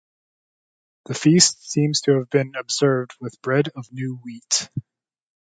The feast seems to have been observed with bread of new wheat.